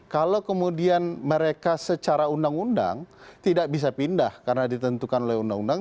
kalau kemudian mereka secara undang undang tidak bisa pindah karena ditentukan oleh undang undang